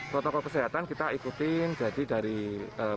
protokol kesehatan kita ikutin dari pengunjung